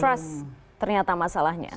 trust ternyata masalahnya